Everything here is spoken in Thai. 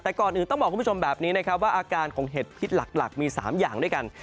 แต่ก่อนอื่นต้องบอกคุณผู้ชมแบบนี้นะครับว่าอาการของเห็ดพิษหลักมี๓อย่างด้วยกัน